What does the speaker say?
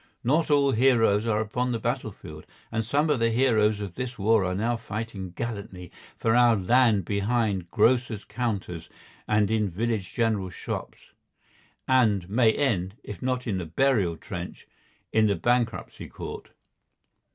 Not all heroes are upon the battlefield, and some of the heroes of this war are now fighting gallantly for our land behind grocers' counters and in village general shops, and may end, if not in the burial trench, in the bankruptcy court.